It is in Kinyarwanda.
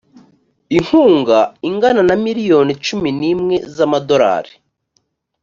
inkunga ingana na miliyoni cumi n’imwe z’amadolari